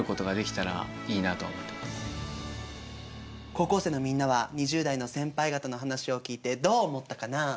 高校生のみんなは２０代の先輩方の話を聞いてどう思ったかなあ？